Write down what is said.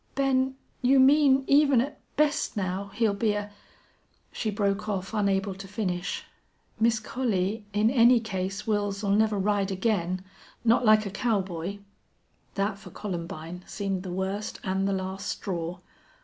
Ben, you mean even at best now he'll be a " She broke off, unable to finish. "Miss Collie, in any case Wils'll never ride again not like a cowboy." That for Columbine seemed the worst and the last straw.